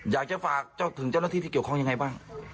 อยากจะฝากเจ้าถึงเจ้าหน้าที่ที่เกี่ยวข้องยังไงบ้าง